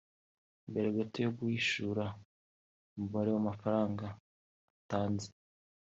Mbere gato yo guhishura umubare w’amafaranga atanze